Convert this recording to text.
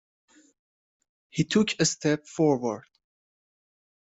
He took a step forward.